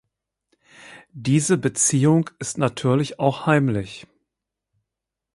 Diese Beziehung ist natürlich auch heimlich.